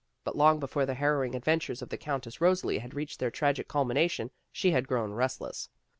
But long before the harrowing adventures of the Countess Rosalie had reached their tragic culmination she had grown restless.